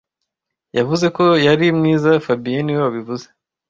Yavuze ko yari mwiza fabien niwe wabivuze